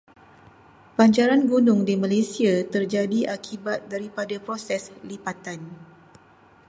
Banjaran gunung di Malaysia terjadi akibat daripada proses lipatan.